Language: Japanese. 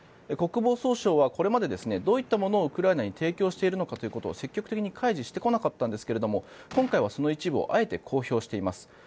国防総省はこれまでどういったものをウクライナに提供しているのかということを積極的に開示してこなかったんですが今回はその一部をあえて公表しています。